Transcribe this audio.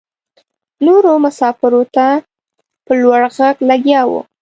نورو مساپرو ته په لوړ غږ لګیا وه.